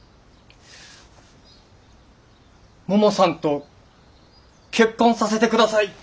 ももさんと結婚させて下さい。